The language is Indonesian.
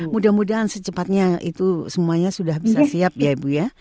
mudah mudahan secepatnya itu semuanya sudah bisa siap ya ibu ya